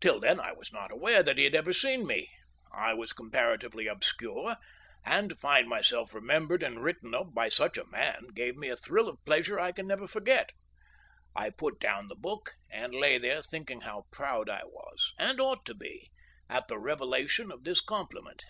Till then I was not aware that he had ever seen me. I was comparatively obscure, and to find myself remembered and written of by such a man gave me a thrill of pleasure I can never forget. I put down the book, and lay there thinking how proud I was, and ought to be, at the revelation of this compliment.